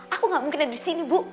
aku gak mungkin ada di sini bu